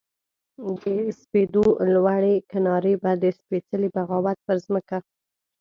د سپېدو لوړې کنارې به د سپیڅلې بغاوت پر مځکه